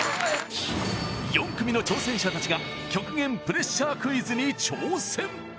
４組の挑戦者達が極限プレッシャークイズに挑戦！